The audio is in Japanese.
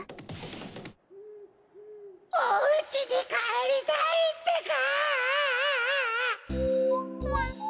おうちにかえりたいってか！